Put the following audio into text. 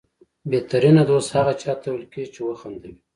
بهترینه دوست هغه چاته ویل کېږي چې وخندوي.